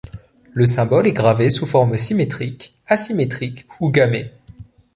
Le symbole est gravé sous forme symétrique, asymétrique ou gammée.